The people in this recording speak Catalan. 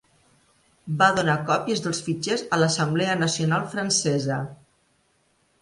Va donar còpies dels fitxers a l'Assemblea Nacional Francesa.